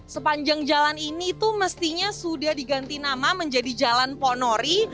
sepanjang jalan ini itu mestinya sudah diganti nama menjadi jalan ponori